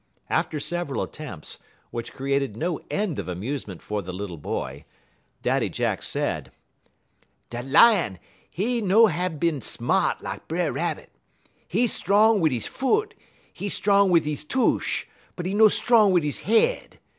After several attempts, which created no end of amusement for the little boy, Daddy Jack said: "Da Lion, 'e no hab bin sma't lak B'er Rabbit. 'E strong wit' 'e fut, 'e strong wit' 'e tush, but 'e no strong wit' 'e head.